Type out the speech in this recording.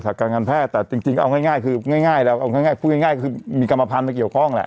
ศักดิ์การแพทย์แต่จริงเอาง่ายคือพูดง่ายคือมีกรรมพันธุ์มาเกี่ยวข้องแหละ